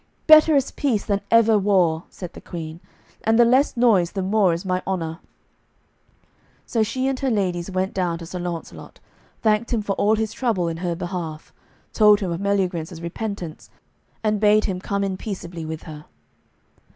"Better is peace than ever war," said the Queen, "and the less noise the more is my honour." So she and her ladies went down to Sir Launcelot, thanked him for all his trouble in her behalf, told him of Meliagrance's repentance, and bade him come in peaceably with her.